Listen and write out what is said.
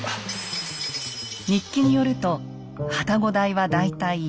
日記によると旅籠代は大体１泊弐百文。